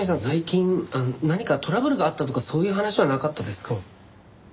最近何かトラブルがあったとかそういう話はなかったですか？